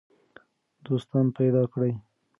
دوستان پیدا کړئ.